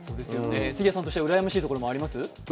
杉谷さんとしてはうらやましいところはあります？